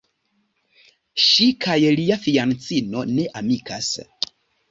Ŝi kaj lia fianĉino ne amikas.